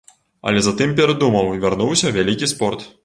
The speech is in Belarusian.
Але затым перадумаў і вярнуўся ў вялікі спорт.